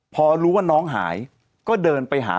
พอรู้ว่าน้องหายก็เดินไปหา